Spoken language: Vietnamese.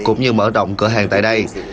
cũng như mở động cửa hàng tại đây